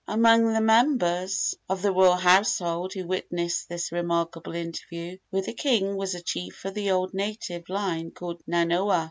Among the members of the royal household who witnessed this remarkable interview with the king was a chief of the old native line called Nanoa.